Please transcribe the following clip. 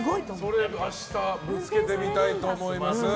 それ、明日ぶつけてみたいと思います。